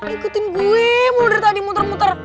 ikutin gue mulder tadi muter muter